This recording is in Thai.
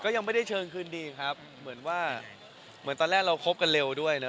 ยังไม่ได้เชิญคืนดีครับเหมือนว่าเหมือนตอนแรกเราคบกันเร็วด้วยนะ